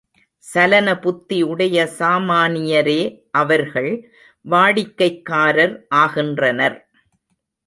சலன புத்தி உடைய சாமானியரே அவர்கள் வாடிக்கைக்காரர் ஆகின்றனர்.